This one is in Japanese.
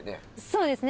そうですね。